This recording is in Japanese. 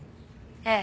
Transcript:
ええ。